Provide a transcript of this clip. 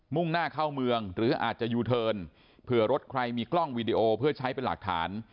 ่งหน้าเข้าเมืองหรืออาจจะยูเทิร์นเผื่อรถใครมีกล้องวีดีโอเพื่อใช้เป็นหลักฐาน